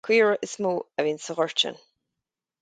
Caora is mó a bhíonn sa ghort sin.